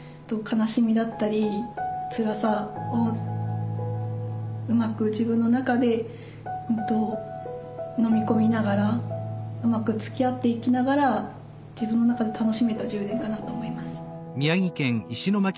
悲しみだったりつらさをうまく自分の中で本当のみ込みながらうまくつきあっていきながら自分の中で楽しめた１０年かなと思います。